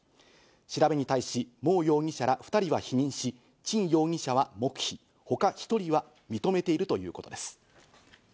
調べに対しモウ容疑者ら２人は否認し、チン容疑者は黙秘、他１人は認めているということです。